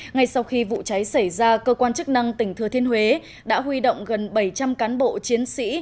ngay sau khi vụ cháy xảy ra cơ quan chức năng tỉnh thừa thiên huế đã huy động gần bảy trăm linh cán bộ chiến sĩ